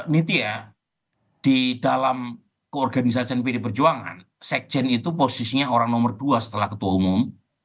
nitia di dalam keorganisasian pdi perjuangan sekjen itu posisinya orang nomor dua setelah ketua umum